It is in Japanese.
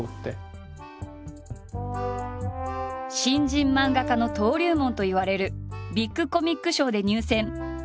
新人漫画家の登竜門といわれるビッグコミック賞で入選。